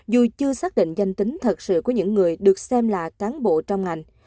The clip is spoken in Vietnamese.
dù chưa xác định danh tính thật sự của những người được xem là cán bộ trong ngành